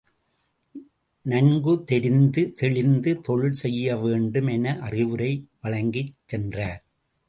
நன்கு தெரிந்து தெளிந்து தொழில் செய்யவேண்டும் என அறிவுரை வழங்கிச் சென்றார்.